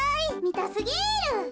みたすぎる。